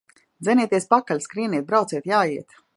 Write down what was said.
Dzenieties pakaļ! Skrieniet, brauciet, jājiet!